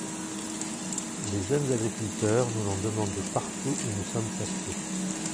Les jeunes agriculteurs nous l’ont demandé partout où nous sommes passés.